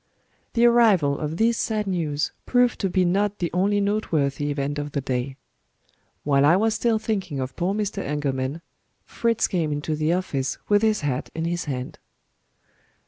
The arrival of this sad news proved to be not the only noteworthy event of the day. While I was still thinking of poor Mr. Engelman, Fritz came into the office with his hat in his hand.